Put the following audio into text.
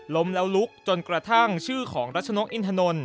ล้มแล้วลุกจนกระทั่งชื่อของรัชนกอินทนนท